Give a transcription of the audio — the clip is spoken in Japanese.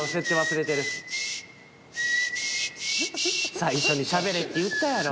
最初にしゃべれって言ったやろ。